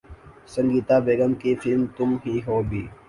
سنگیتا بیگم کی فلم ’تم ہی ہو‘ بھی